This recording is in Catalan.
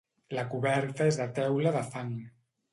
La coberta és de teula de fang.